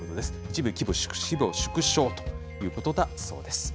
一部規模縮小ということだそうです。